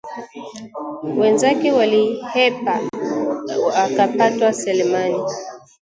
Wenzake walihepa akaptwa Selemani